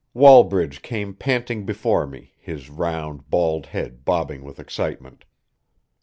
Wallbridge came panting before me, his round, bald head bobbing with excitement.